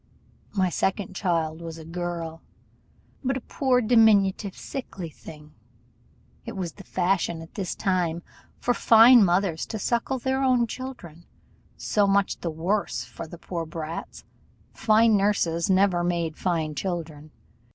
My second child was a girl; but a poor diminutive, sickly thing. It was the fashion at this time for fine mothers to suckle their own children: so much the worse for the poor brats. Fine nurses never made fine children.